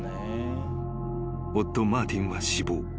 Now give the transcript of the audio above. ［夫マーティンは死亡］